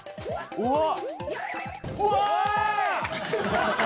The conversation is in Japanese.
うわっ！